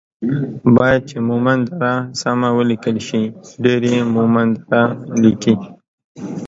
بايد چې مومند دره سمه وليکل شي ،ډير يي مومندره ليکي